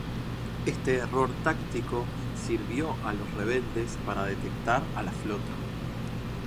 Este error táctico sirvió a los rebeldes para detectar a la flota.